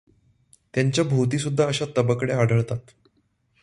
त्यांच्या भोवतीसुद्धा अशा तबकड्या आढळतात.